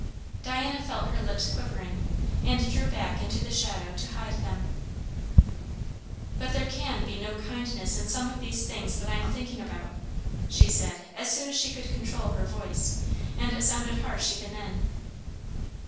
'" Diana felt her lips quivering, and drew back into the shadow to hide them. "But there can be no kindness in some of these things that I am thinking about," she said as soon as she could control her voice; and it sounded harsh even then.